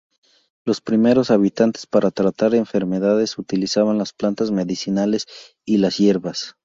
Los primeros habitantes para tratar enfermedades utilizaban las plantas medicinales y las hierbas.